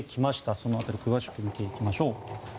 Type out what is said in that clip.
その辺りを詳しく見ていきましょう。